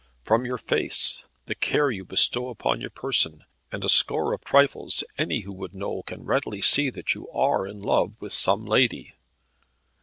From your face, the care you bestow upon your person, and a score of trifles, any who would know, can readily see that you are in love with some lady.